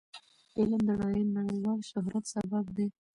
علم د نړیوال شهرت سبب دی.